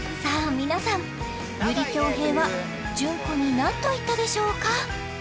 皆さん由利匡平は順子に何と言ったでしょうか？